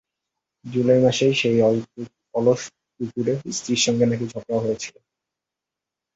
জুলাই মাসের সেই অলস দুপুরে স্ত্রীর সঙ্গে নাকি তার ঝগড়াও হয়েছিল।